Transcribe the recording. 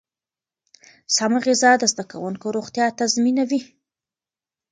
سمه غذا د زده کوونکو روغتیا تضمینوي.